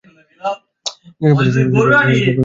যেবাবে বলেছো সেই ভাবেই করেছি।